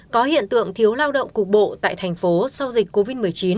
có hiện tượng thiếu lao động cục bộ tại thành phố sau dịch covid một mươi chín